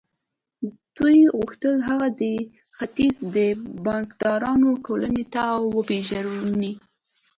دوی غوښتل هغه د ختیځ د بانکدارانو ټولنې ته ور وپېژني